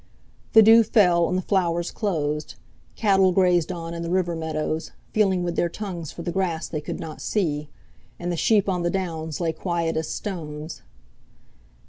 The dew fell and the flowers closed; cattle grazed on in the river meadows, feeling with their tongues for the grass they could not see; and the sheep on the Downs lay quiet as stones.